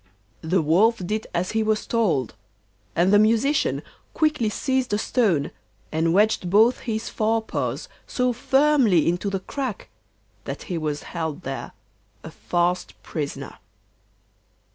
The Wolf did as he was told, and the Musician quickly seized a stone, and wedged both his fore paws so firmly into the crack that he was held there, a fast prisoner.